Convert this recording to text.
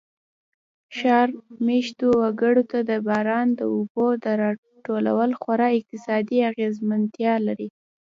ښار مېشتو وګړو ته د باران د اوبو را ټول خورا اقتصادي اغېزمنتیا لري.